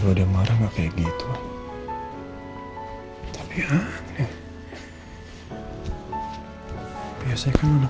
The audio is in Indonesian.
modern aku mikir